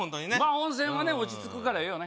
温泉はね落ち着くからええよね